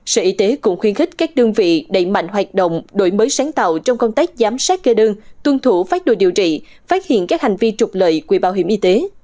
sở y tế cũng khuyên khích các đơn vị đẩy mạnh hoạt động đổi mới sáng tạo trong công tác giám sát kê đơn tuân thủ phát đồ điều trị phát hiện các hành vi trục lợi quỹ bảo hiểm y tế